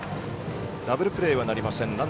ダブルプレーはなりません。